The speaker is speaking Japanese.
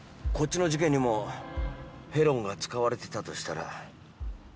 こっちの事件にもヘロンが使われてたとしたら。